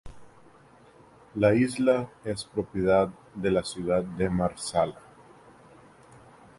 La isla es propiedad de la ciudad de Marsala.